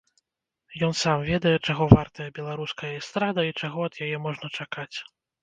Ён сам ведае, чаго вартая беларуская эстрада і чаго ад яе можна чакаць.